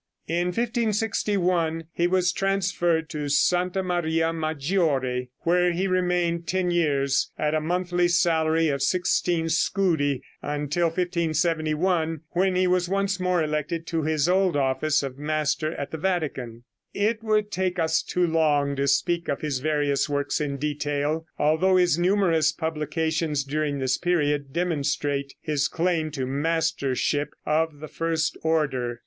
In 1561 he was transferred to Santa Maria Maggiore, where he remained ten years at a monthly salary of sixteen scudi, until 1571, when he was once more elected to his old office of master at the Vatican. It would take us too long to speak of his various works in detail, although his numerous publications during this period demonstrate his claim to mastership of the first order.